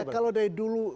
iya kalau dari dulu